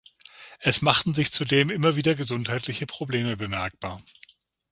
Es machten sich zudem immer wieder gesundheitliche Probleme bemerkbar.